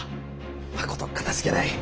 まことかたじけない。